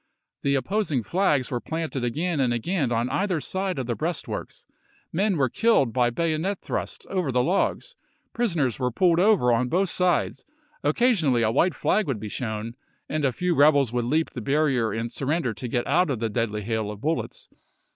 The opposing flags were planted again and again on either side of the breastworks. Men were killed by bayonet thrusts over the logs ; prisoners were pulled over on both sides ; occasionally a white flag would be shown, and a few rebels would leap the ban ier and sur render to get out of the deadly hail of bullets.